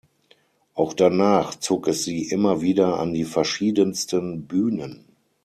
Auch danach zog es sie immer wieder an die verschiedensten Bühnen.